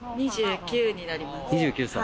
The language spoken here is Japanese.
２９になります。